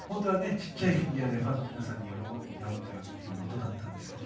ちっちゃいフィギュアでファンの皆さんに喜んでもらおうということだったんですけど。